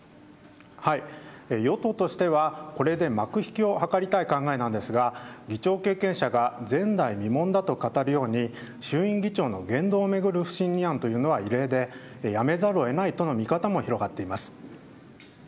与党としてはこれで幕引きを図りたい考えなんですが、議長経験者が前代未聞だと語るように衆院議長の言動を巡る不信任案は異例で、辞めざるを得ないとの見方も広がっています。